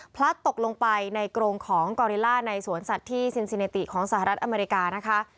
พลัดตกลงไปในกรงของกอริล่าในสวนสัตว์ที่ซินซิเนติของสหรัฐอเมริกานะคะ